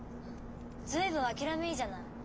随分諦めいいじゃない。